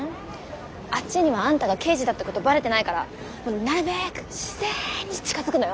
あっちにはあんたが刑事だってことバレてないからなるべくしぜんに近づくのよ。